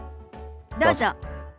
どうぞ。